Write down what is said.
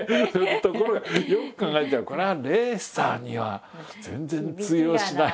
ところがよく考えたらこれはレーサーには全然通用しない。